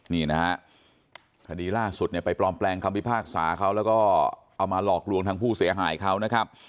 นี่นะฮะคดีล่าสุดเนี่ยไปปลอมแปลงคำพิพากษาเขาแล้วก็เอามาหลอกลวงทางผู้เสียหายเขานะครับ